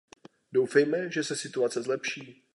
Doufejme, že se situace zlepší.